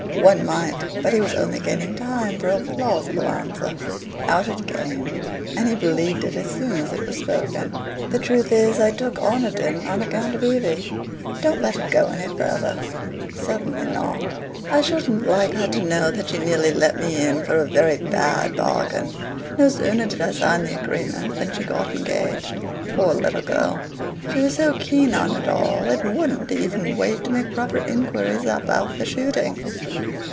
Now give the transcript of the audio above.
One might; but he was only gaining time for a plausible answer. Out it came, and he believed it as soon as it was spoken. "The truth is, I took Oniton on account of Evie. Don't let this go any further." "Certainly not." "I shouldn't like her to know that she nearly let me in for a very bad bargain. No sooner did I sign the agreement than she got engaged. Poor little girl! She was so keen on it all, and wouldn't even wait to make proper inquiries about the shooting.